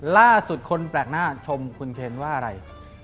ล่าสุดคนแปลกหน้าชมคุณเคนว่าอะไร